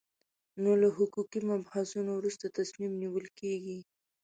نو له حقوقي مبحثونو وروسته تصمیم نیول کېږي.